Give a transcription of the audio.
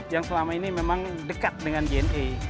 yang selama ini memang dekat dengan jna